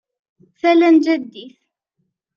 Tala n tjaddit